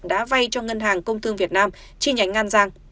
đã vay cho ngân hàng công thương việt nam chi nhánh an giang